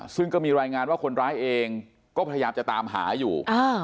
ซึ่งก็มีรายงานว่าคนร้ายเองก็พยายามจะตามหาอยู่